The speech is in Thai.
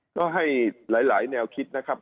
ก็ให้หลายแนวคิดนะครับ